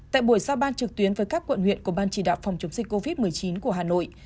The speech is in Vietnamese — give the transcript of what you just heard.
tại buổi giao ban trực tuyến với các quận huyện của ban chỉ đạo phòng chống dịch covid một mươi chín của hà nội